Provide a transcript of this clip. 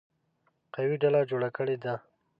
قوي ډله جوړه کړې ده.